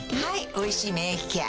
「おいしい免疫ケア」